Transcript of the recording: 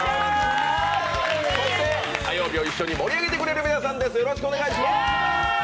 そして火曜日を一緒に盛り上げてくれる皆さんです。